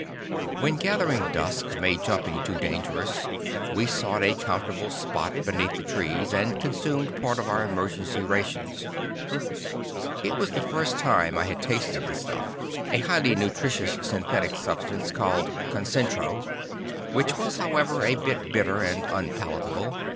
When gathering dusk made jumping too dangerous, we sought a comfortable spot beneath the trees, and consumed part of our emergency rations. It was the first time I had tasted the stuff a highly nutritive synthetic substance called "concentro," which was, however, a bit bitter and unpalatable.